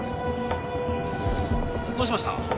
どうしました？